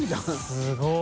すごい！